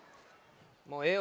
もうええわ。